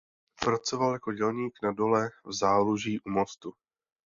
Pracoval jako dělník na dole v Záluží u Mostu.